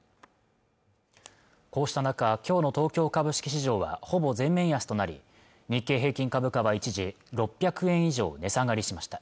こうした中きょうの東京株式市場はほぼ全面安となり日経平均株価は一時６００円以上値下がりしました